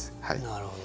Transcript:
なるほど。